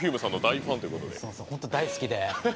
本当大好きで。